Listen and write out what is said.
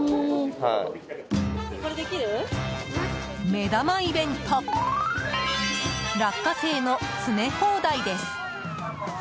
目玉イベント落花生の詰め放題です。